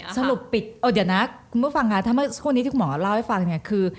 ถรุงสมบัติปลิดเอาเดี๋ยวนะคุณผู้ฟังค่ะกลุ่มที่คุณหมอเล่าให้ฟังครับเอาเนี่ยคือ